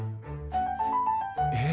えっ？